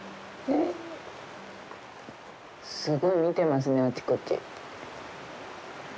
すごい見てますね、あちこち。